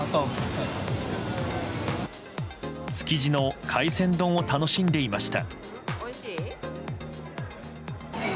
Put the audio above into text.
築地の海鮮丼を楽しんでいました。